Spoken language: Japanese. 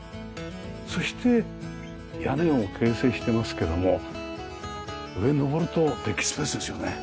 そして屋根を形成してますけども上に上るとデッキスペースですよね。